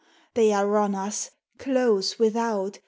they are on us, close without